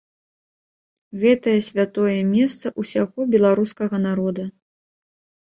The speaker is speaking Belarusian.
Гэтае святое месца ўсяго беларускага народа.